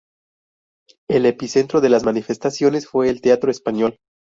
El epicentro de las manifestaciones fue el Teatro Español.